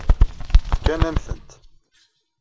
Fkan-am-tent.